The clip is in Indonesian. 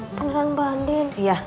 oh pemeran mbak andin